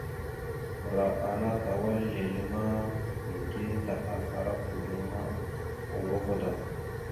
Ɓəra ana tawala lele ma, mige taɓal ara kudom ma, urova da.